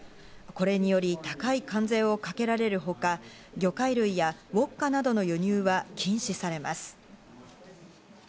これにより高い関税をかけられるほか、魚介類やウオッカなどの輸入は禁止されます。